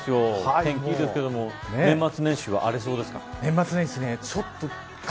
天気いいですけど年末年始は荒れそうですか。